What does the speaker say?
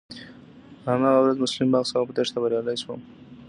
په هماغه ورځ مسلم باغ څخه په تېښته بريالی شوم.